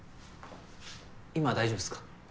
今大丈夫ですか？